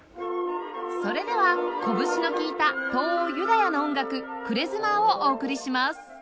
それではこぶしのきいた東欧ユダヤの音楽クレズマーをお送りします